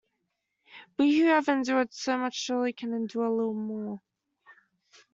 We who have endured so much surely can endure a little more.